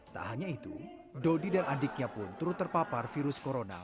tak hanya itu dodi dan adiknya pun turut terpapar virus corona